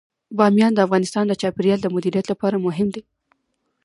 بامیان د افغانستان د چاپیریال د مدیریت لپاره مهم دي.